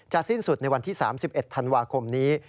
สิ้นสุดในวันที่๓๑ธันวาคมนี้